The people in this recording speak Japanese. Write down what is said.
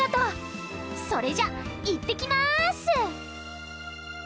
それじゃいってきます！